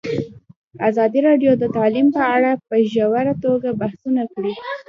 ازادي راډیو د تعلیم په اړه په ژوره توګه بحثونه کړي.